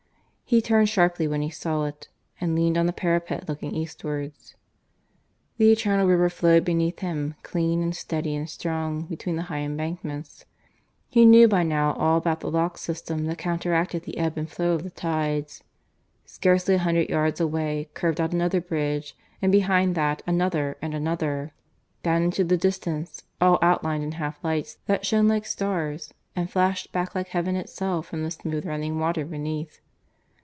He turned sharply when he saw it, and leaned on the parapet looking eastwards. The eternal river flowed beneath him, clean and steady and strong, between the high embankments. (He knew by now all about the lock system that counteracted the ebb and flow of the tides.) Scarcely a hundred yards away curved out another bridge, and behind that another and another, down into the distance, all outlined in half lights that shone like stars and flashed back like heaven itself from the smooth running water beneath.